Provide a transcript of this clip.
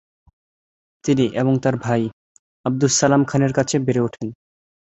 তিনি এবং তার ভাই, আবদুল সালাম খানের কাছে বেড়ে ওঠেন।